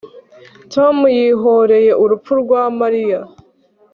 Tom yihoreye urupfu rwa Mariya